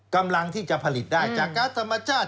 กำลังที่จะผลิตได้จากการ์ดธรรมชาติ